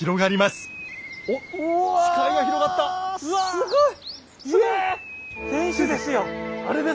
すごい！